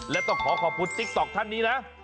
และต้องขอขอบคุณติ๊กต๊อกท่านนี้นะ